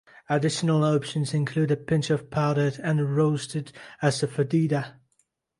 Additional options include a pinch of powdered and roasted asafoetida.